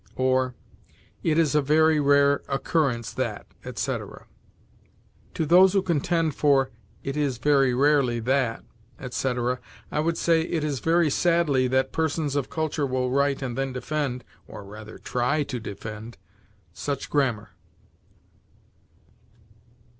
or "It is a very rare occurrence that," etc. To those who contend for "It is very rarely that," etc., I would say, It is very sadly that persons of culture will write and then defend or rather try to defend such grammar.